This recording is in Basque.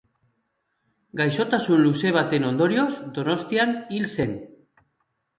Gaixotasun luze baten ondorioz Donostian hil zen.